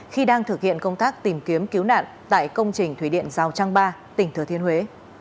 khi đang thực hiện công tác tìm kiếm cứu nạn tại công trình thủy điện giao trang ba tỉnh thừa thiên huế